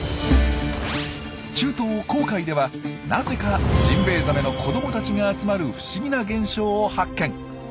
中東紅海ではなぜかジンベエザメの子どもたちが集まる不思議な現象を発見。